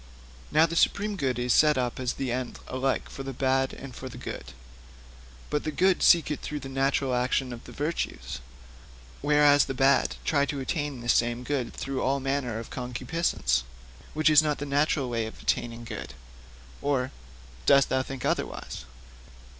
'Now, the supreme good is set up as the end alike for the bad and for the good; but the good seek it through the natural action of the virtues, whereas the bad try to attain this same good through all manner of concupiscence, which is not the natural way of attaining good. Or dost thou think otherwise?'